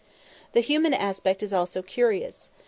The human aspect is also curious.